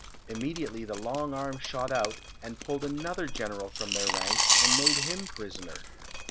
Immediately the long arm shot out, and pulled another general from their ranks, and made him prisoner.